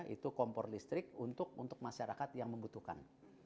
itu kompor listrik untuk masyarakat yang membutuhkan